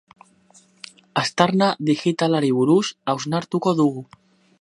Aztarna digitalari buruz hausnartuko dugu.